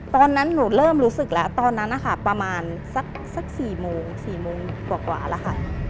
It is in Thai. ตอนนั้นหนูเริ่มรู้สึกแล้วตอนนั้นนะคะประมาณสัก๔โมง๔โมงกว่าแล้วค่ะ